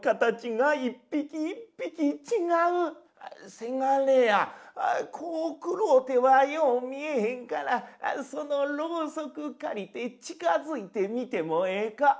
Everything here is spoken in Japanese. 「せがれやこう暗うてはよう見えへんからそのろうそく借りて近づいて見てもええか」。